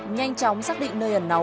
nhanh chóng xác định nơi ẩn náu